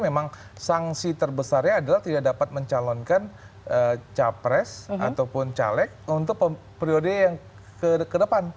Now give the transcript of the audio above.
memang sanksi terbesarnya adalah tidak dapat mencalonkan capres ataupun caleg untuk periode yang ke depan